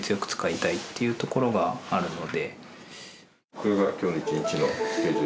これが今日一日のスケジュール？